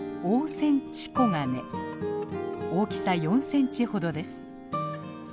大きさ４センチほどです。